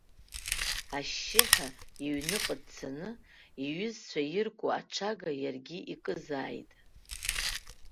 Ашьшьыҳәа иҩныҟа дцаны, иҩызцәа ирку аҽага иаргьы икызааит!